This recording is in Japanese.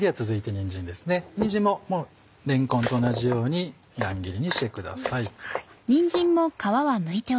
にんじんもれんこんと同じように乱切りにしてください。